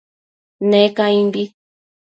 Ne caimbi